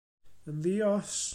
Yn ddi-os!